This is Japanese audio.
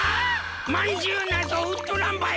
まんじゅうなんぞうっとらんばい！